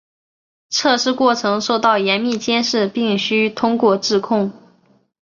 测试过程受到严密监视并须通过质控。